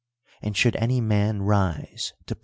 And should any man rise to ph.'